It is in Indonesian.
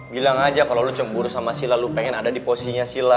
bilang aja kalau lo cemburu sama sila lu pengen ada di posisinya sila